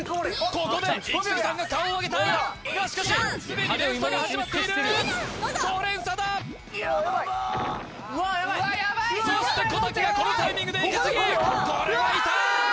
ここでイキスギさんが顔を上げたがしかしすでに連鎖が始まっている５連鎖だそして小瀧がこのタイミングで息継ぎこれは痛い！